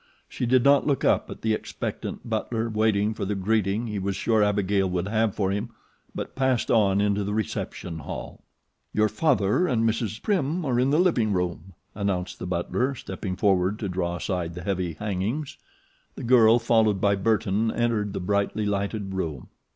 She did not look up at the expectant butler waiting for the greeting he was sure Abigail would have for him; but passed on into the reception hall. "Your father and Mrs. Prim are in the living room," announced the butler, stepping forward to draw aside the heavy hangings. The girl, followed by Burton, entered the brightly lighted room.